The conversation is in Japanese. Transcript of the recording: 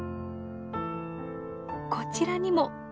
こちらにも。